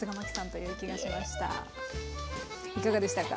いかがでしたか？